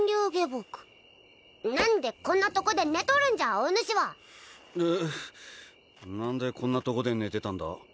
僕何でこんなとこで寝とるんじゃおぬしはうっ何でこんなとこで寝てたんだ？